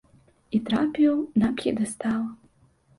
І трапіў на п'едэстал.